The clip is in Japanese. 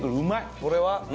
これは何？